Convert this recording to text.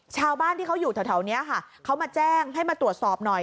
ชาวบ้านที่เขาอยู่แถวนี้ค่ะเขามาแจ้งให้มาตรวจสอบหน่อย